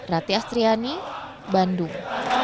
rati astriani bandung